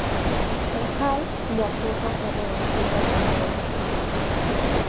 El "hall" de acceso fue revestido en granito pulido.